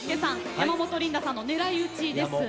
山本リンダさんの「狙いうち」ですね。